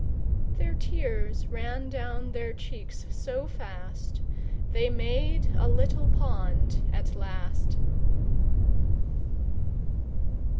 Their tears ran down their cheeks so fast, They made a little pond at last.